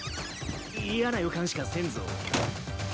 嫌な予感しかせんぞ。